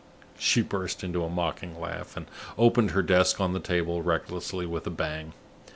She burst into a mocking laugh, and opened her desk on the table recklessly with a bang.